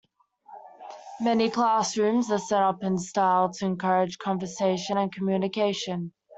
Many classrooms are set up in a style to encourage conversation and communication.